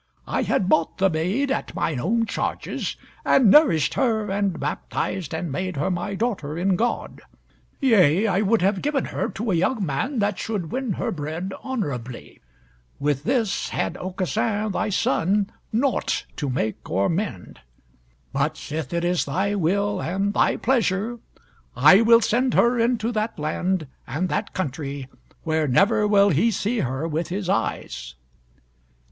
I had bought the maid at mine own charges, and nourished her, and baptized, and made her my daughter in God. Yea, I would have given her to a young man that should win her bread honorably. With this had Aucassin, thy son, naught to make or mend. But sith it is thy will and thy pleasure, I will send her into that land and that country where never will he see her with his eyes."